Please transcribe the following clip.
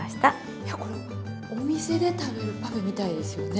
いやこれお店で食べるパフェみたいですよね。